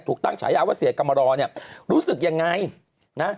ตั้งฉายาว่าเสียกรรมรอเนี่ยรู้สึกยังไงนะ